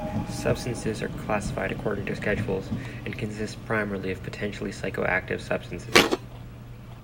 Substances are classified according to schedules and consist primarily of potentially psychoactive substances.